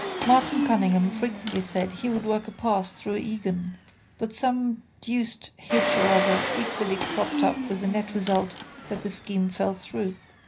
Martin Cunningham frequently said he would work a pass through Egan but some deuced hitch or other eternally cropped up with the net result that the scheme fell through.